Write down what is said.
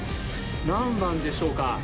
何番でしょうか？